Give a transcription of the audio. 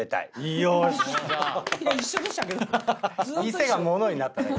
「店」が「もの」になっただけ。